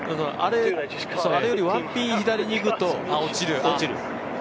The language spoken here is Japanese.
あれより１ピン左にいくと落ちる。